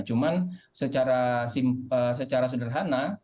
cuman secara sederhana